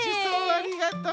ありがとう。